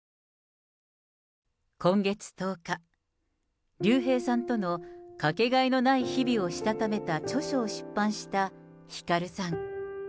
今月１０日、竜兵さんとのかけがえのない日々をしたためた著書を出版したひかるさん。